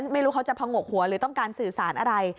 ไม่รู้เขาจะผงกหัวหรือต้องการสื่อสารอะไร